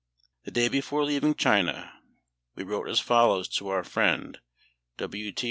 The day before leaving China we wrote as follows to our friend W. T.